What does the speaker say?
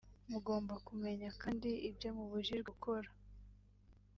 mugomba kumenya kandi ibyo mubujijwe gukora